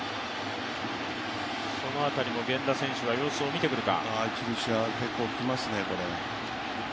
その当たりも源田選手が様子を見てくるか。